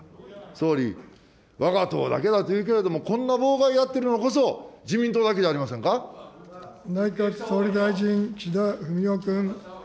総理、わが党だけだと言うけれども、こんな妨害やってるのこそ、自民党内閣総理大臣、岸田文雄君。